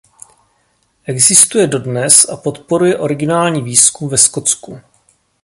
Existuje dodnes a podporuje originální výzkum ve Skotsku.